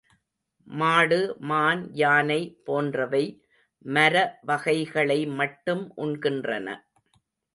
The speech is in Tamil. மாடு மான் யானை போன்றவை மர வகைகளை மட்டும் உண்கின்றன.